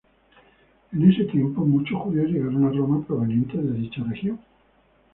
En ese tiempo, muchos judíos llegaron a Roma provenientes de dicha región.